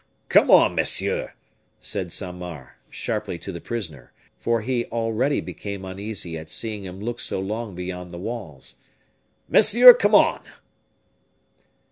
"Come on, monsieur," said Saint Mars, sharply, to the prisoner, for he already became uneasy at seeing him look so long beyond the walls. "Monsieur, come on!"